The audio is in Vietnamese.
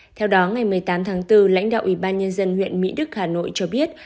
theo đó ngày một mươi tám tháng bốn lãnh đạo ủy ban nhân dân huyện mỹ đức hà nội cho biết